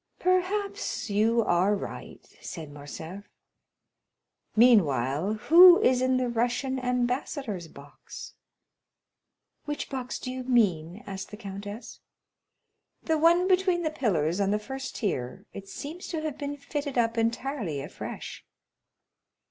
"Perhaps you are right," said Morcerf; "meanwhile, who is in the Russian ambassador's box?" "Which box do you mean?" asked the countess. "The one between the pillars on the first tier—it seems to have been fitted up entirely afresh."